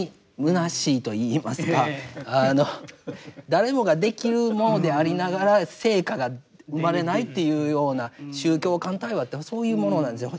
誰もができるものでありながら成果が生まれないっていうような宗教間対話ってそういうものなんですよ。